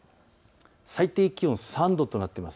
最低気温３度となっています。